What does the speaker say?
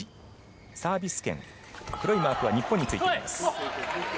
サービス権、黒いマークは日本についています。